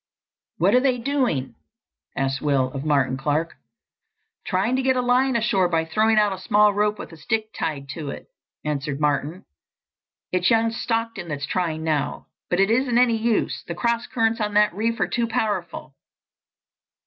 "What are they doing?" asked Will of Martin Clark. "Trying to get a line ashore by throwing out a small rope with a stick tied to it," answered Martin. "It's young Stockton that's trying now. But it isn't any use. The cross currents on that reef are too powerful."